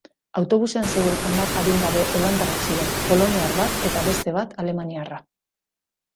Autobusean zeuden hamar adingabe holandarrak ziren, poloniar bat eta beste bat alemaniarra.